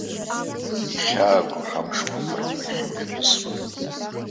Ихьааго ҳамшқәа ԥырны иахьымҩасуоуп.